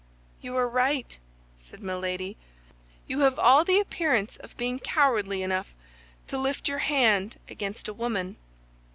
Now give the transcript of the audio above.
"You are right," said Milady. "You have all the appearance of being cowardly enough to lift your hand against a woman."